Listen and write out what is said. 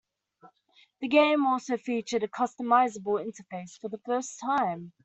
The game also featured a customizable interface for the first time.